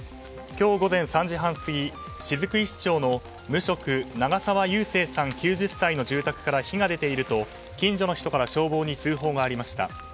今日午前３時半過ぎ、雫石町の無職、長澤勇正さん９０歳の住宅から火が出ていると近所の人から消防に通報がありました。